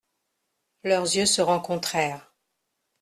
Leurs yeux se rencontrèrent.